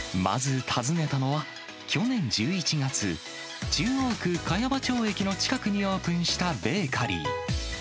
まず訪ねたのは、去年１１月、中央区茅場町駅の近くにオープンしたベーカリー。